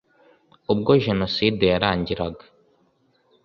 ’’ Ubwo jenocide yarangiraga